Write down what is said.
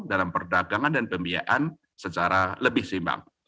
dalam perdagangan dan pembiayaan secara lebih seimbang